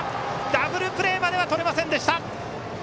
ダブルプレーまではとれませんでした。